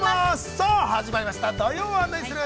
さあ始まりました「土曜はナニする！？」。